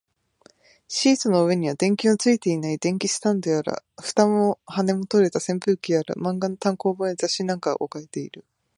シートの上には、電球のついていない電気スタンドやら、蓋も羽も取れた扇風機やら、漫画の単行本や雑誌なんかが置かれている